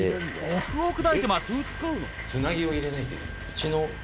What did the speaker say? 「お麩を砕いてます！」